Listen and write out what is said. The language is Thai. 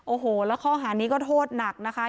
โอ้โหแล้วข้อหานี้ก็โทษหนักนะคะ